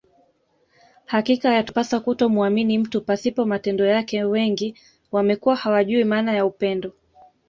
Hakika yatupasa kutomuamini mtu pasipo matendo yake wengi wamekuwa hawajui maana ya upendo